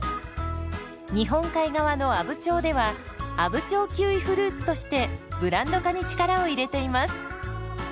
日本海側の阿武町では「阿武町キウイフルーツ」としてブランド化に力を入れています。